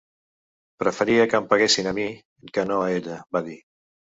“Preferia que em peguessin a mi que no a ella”, va dir.